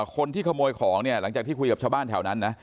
คนที่ขโมยของเนี่ยหลังจากที่คุยกับชาวบ้านแถวนั้นนะ